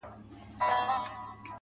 له دې نه پس دې د شېرينې په نوم نه پېژنم_